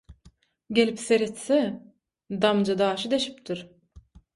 Gelip seretse, damja daşy deşipdir.